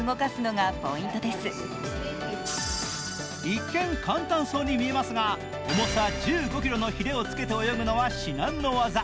一見、簡単そうに見えますが、重さ１５ｋｇのひれをつけて泳ぐのは至難の業。